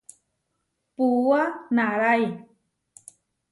Puúa naʼrái.